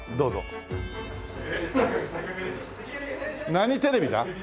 何テレビだ？